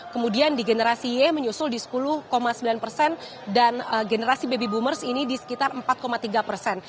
kemudian di generasi y menyusul di sepuluh sembilan persen dan generasi baby boomers ini di sekitar empat tiga persen